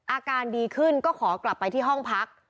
อาการดีขึ้นก็ขอกลับไปที่ห้องพัก